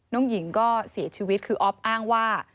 น้องหญิงก็เสียชีวิตคืออ๊อฟอ้างว่า